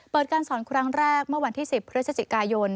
การสอนครั้งแรกเมื่อวันที่๑๐พฤศจิกายน